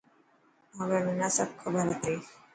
هوي منا سب کبر هتي.